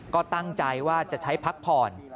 ก็ตั้งใจว่าจะใช้พักผ่อน